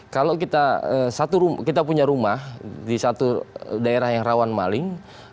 kalau kita punya rumah di satu daerah yang rawan maling